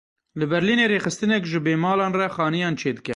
Li Berlînê rêxistinek ji bêmalan re xaniyan çê dike.